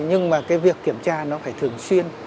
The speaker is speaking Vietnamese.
nhưng mà cái việc kiểm tra nó phải thường xuyên